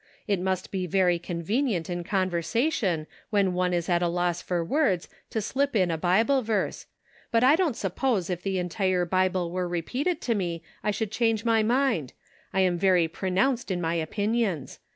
It must be very convenient in conversation, when one is at a loss for words, to slip in a Bible verse. But I don't suppose if the entire Bible were repeated to me J I should change my mind; I am very pronounced in my opinions.